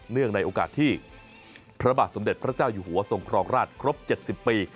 ในโอกาสที่พระบาทสมเด็จพระเจ้าอยู่หัวทรงครองราชครบ๗๐ปี